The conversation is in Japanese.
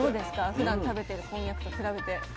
ふだん食べてるこんにゃくと比べて。